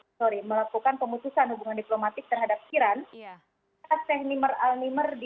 sorry melakukan pemutusan hubungan diplomatik terhadap iran teher